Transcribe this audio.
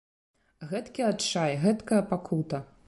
Гэткі адчай, гэткая пакута!